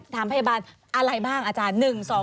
ถามพยาบาลอะไรบ้างอาจารย์